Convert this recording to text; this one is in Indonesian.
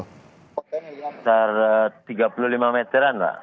sekitar tiga puluh lima meteran pak